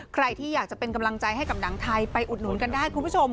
ใครที่อยากจะเป็นกำลังใจให้กับหนังไทยไปอุดหนุนกันได้คุณผู้ชม